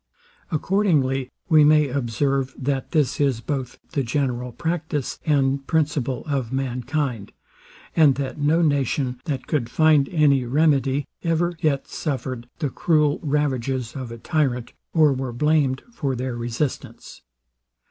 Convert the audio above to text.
Accordingly we may observe, that this is both the general practice and principle of mankind, and that no nation, that could find any remedy, ever yet suffered the cruel ravages of a tyrant, or were blamed for their resistance.